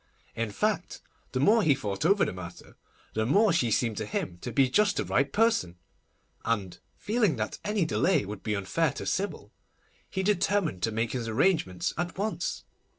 In fact, the more he thought over the matter, the more she seemed to him to be just the right person, and, feeling that any delay would be unfair to Sybil, he determined to make his arrangements at once.